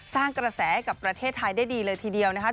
สร้างกระแสให้กับประเทศไทยได้ดีเลยทีเดียวนะครับ